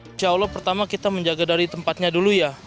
insya allah pertama kita menjaga dari tempatnya dulu ya